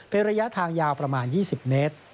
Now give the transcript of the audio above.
เป็นระยะทางยาวประมาณ๒๐เมตร